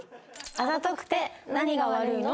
あざとくて何が悪いの？